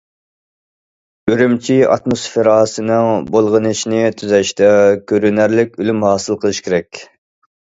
ئۈرۈمچى ئاتموسفېراسىنىڭ بۇلغىنىشىنى تۈزەشتە كۆرۈنەرلىك ئۈنۈم ھاسىل قىلىش كېرەك.